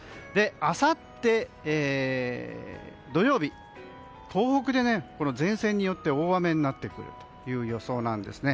あさって土曜日、東北で前線によって大雨になってくる予想なんですね。